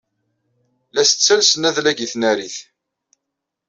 La as-ttalsen adlag i tnarit.